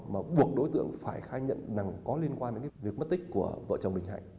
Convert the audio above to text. mà buộc đối tượng phải khai nhận rằng có liên quan đến cái việc mất tích của vợ chồng bình hạnh